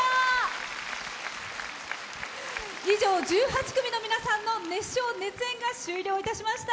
以上１８組の熱唱・熱演が終了いたしました。